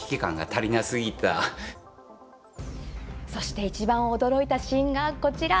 そしていちばん驚いたシーンがこちら！